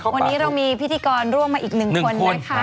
วันนี้เรามีพิธีกรร่วมมาอีกหนึ่งคนนะคะ